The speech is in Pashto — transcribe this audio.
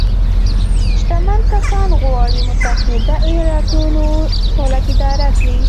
شتمن کسان غواړي متحده ایالتونو دولت اداره کړي.